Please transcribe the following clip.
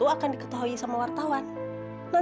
apa ke rumahnya